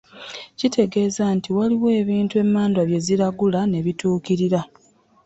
Kitegeeza nti waliwo ebintu emmandwa bye ziragula ne bitatuukirira.